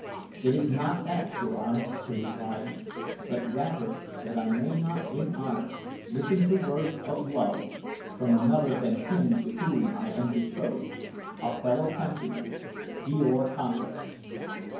"It is not that, Turan," she replied; "but rather that I may not in honor listen to words of love from another than him to whom I am betrothed a fellow countryman, Djor Kantos."